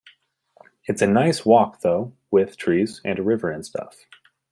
It's a nice walk though, with trees and a river and stuff.